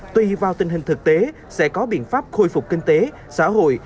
tùy vào tình hình thực tế sẽ có biện pháp khôi phục kinh tế xã hội